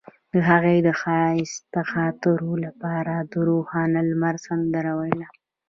هغې د ښایسته خاطرو لپاره د روښانه لمر سندره ویله.